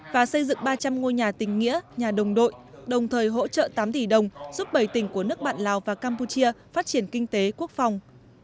và xây dựng ba trăm linh ngôi nhà tình nghĩa nhà đồng đội đồng thời hỗ trợ tám tỷ đồng giúp bảy tỉnh của nước bạn lào và campuchia phát triển kinh tế quốc phòng